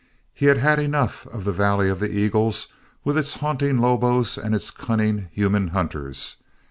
He had had enough of the Valley of the Eagles with its haunting lobos and its cunning human hunters.